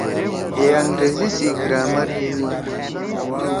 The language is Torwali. ئے انگریزی سی گرامر یدُو۔